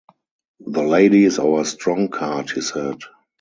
"The lady is our strong card," he said.